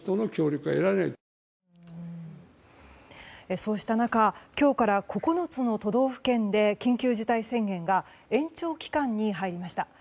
そうした中今日から９つの都道府県で緊急事態宣言が延長期間に入りました。